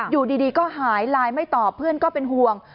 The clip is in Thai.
อยู่ดีก็หายไลน์ไม่ตอบเพื่อนก็เป็นห่วง